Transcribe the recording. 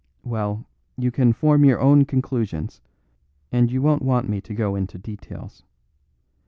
Well, you can form your own conclusions, and you won't want me to go into details.